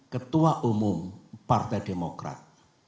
ketua umum partai demokrat